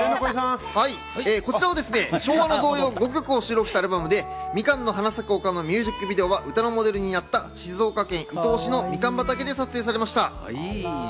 こちらはですね、昭和の童謡５曲を収録したアルバムで、『みかんの花咲く丘』のミュージックビデオは歌のモデルになった静岡県伊東市のみかん畑で撮影されました。